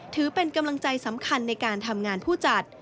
ถือเป็นกำลังใจสำคัญในการทำงานผู้จัด